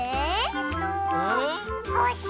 えっとほし！